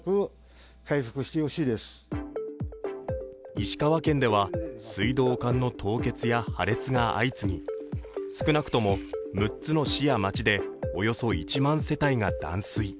石川県では、水道管の凍結や破裂が相次ぎ、少なくとも６つの市や町で、およそ１万世帯が断水。